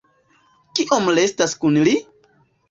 Kiom restas kun li?